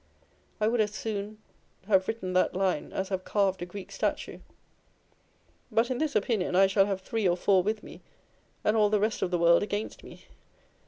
I would as soon have written that line as have carved a Greek statue. But in this opinion I shall have three or four with me, and all the rest of the world against me.